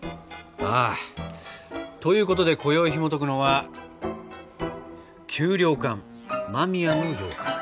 ああということでこよいひもとくのは「給糧艦間宮のようかん」。